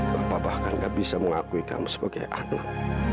bapak bahkan gak bisa mengakui kamu sebagai anak